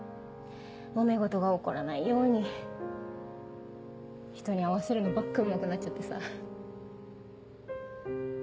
もめ事が起こらないようにひとに合わせるのばっかうまくなっちゃってさ。